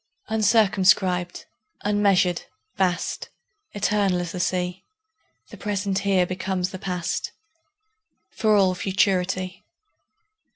Uncircumscribed, unmeasured, vast, Eternal as the Sea, The present here becomes the past, For all futurity.